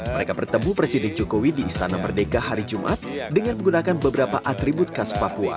mereka bertemu presiden jokowi di istana merdeka hari jumat dengan menggunakan beberapa atribut khas papua